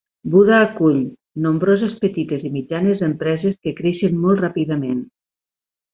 Buda acull nombroses petites i mitjanes empreses que creixen molt ràpidament.